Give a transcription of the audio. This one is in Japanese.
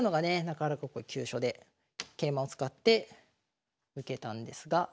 中原囲い急所で桂馬を使って受けたんですが。